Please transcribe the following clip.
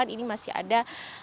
ini masih ada